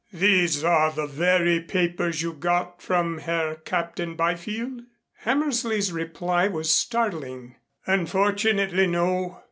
"These are the very papers you got from Herr Captain Byfield?" Hammersley's reply was startling. "Unfortunately, no.